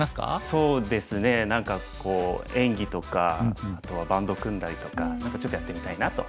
そうですね何かこう演技とかあとはバンド組んだりとか何かちょっとやってみたいなと。